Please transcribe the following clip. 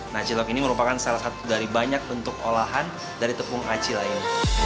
nah cilok ini merupakan salah satu dari banyak bentuk olahan dari tepung aci layu